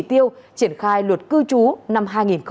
tiêu triển khai luật cư chú năm hai nghìn hai mươi